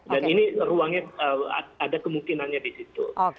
dan ini ruangnya ada kemungkinannya di situ